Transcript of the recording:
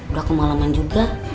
udah kemalaman juga